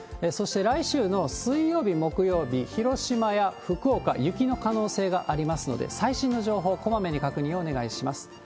そして来週の水曜日、木曜日、広島や福岡、雪の可能性がありますので、最新の情報、こまめに確認をお願いします。